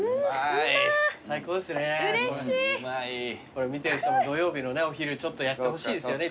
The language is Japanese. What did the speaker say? これ見てる人も土曜日のねお昼ちょっとやってほしいですよね